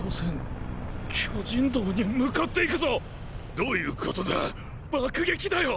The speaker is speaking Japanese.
どういうことだ⁉爆撃だよ！！